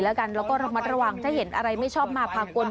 แล้วก็รับมาตรวางถ้าเห็นอะไรไม่ชอบมาพากล